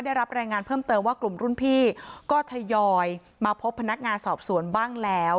ได้รับรายงานเพิ่มเติมว่ากลุ่มรุ่นพี่ก็ทยอยมาพบพนักงานสอบสวนบ้างแล้ว